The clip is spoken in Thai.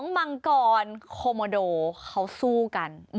มังกรโคโมโดเขาสู้กัน